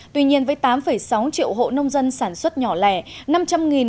tuy nhiên với tám sáu triệu hộ nông dân sản xuất nhỏ lẻ